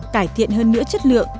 cải thiện hơn nữa chất lượng